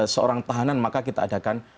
seorang tahanan maka kita adakan